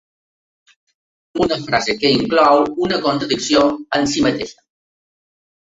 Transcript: Una frase que enclou una contradicció en si mateixa.